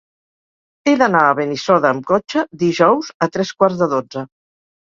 He d'anar a Benissoda amb cotxe dijous a tres quarts de dotze.